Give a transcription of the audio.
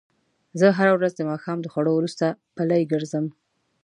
زه هره ورځ د ماښام د خوړو وروسته پلۍ ګرځم